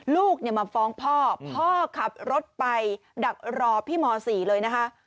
ลูกมาฟ้องพ่อพ่อขับรถไปดักรอพี่ม๔เลยนะคะ